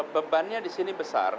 bebannya di sini besar